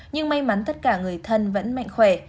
nhưng may mắn tất cả người thân vẫn mạnh khỏe